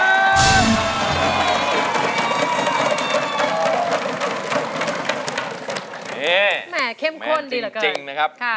นี่แหม่จริงนะครับแหม่เข้มข้นดีเหรอครับค่ะค่ะ